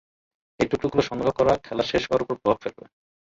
এই টুকরোগুলো সংগ্রহ করা খেলা শেষ হওয়ার ওপর প্রভাব ফেলবে।